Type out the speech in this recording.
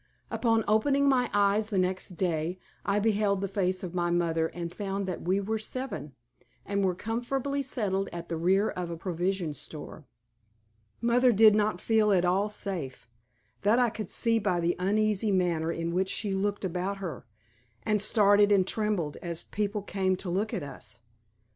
Upon opening my eyes the next day, I beheld the face of my mother and found that we were seven, and were comfortably settled at the rear of a provision store. Mother did not feel at all safe; that I could see by the uneasy manner in which she looked about her, and started and trembled as people came to look at us.